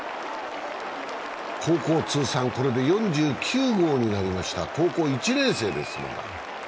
高校通算４９号になりました、高校１年生です、まだ。